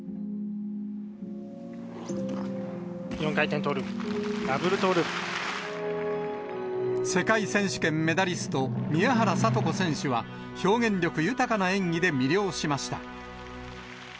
４回転トーループ、ダブルト世界選手権メダリスト、宮原知子選手は、表現力豊かな演技で魅了しました。